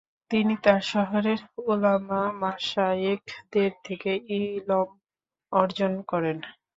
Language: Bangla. তিনি তার শহরের উলামা মাশায়েখদের থেকে 'ইলম' অর্জন করেন।